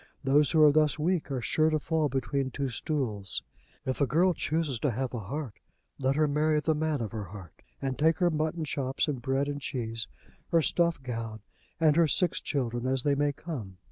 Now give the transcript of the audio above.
Those who are thus weak are sure to fall between two stools. If a girl chooses to have a heart, let her marry the man of her heart, and take her mutton chops and bread and cheese, her stuff gown and her six children, as they may come.